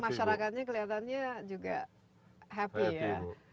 masyarakatnya kelihatannya juga happy ya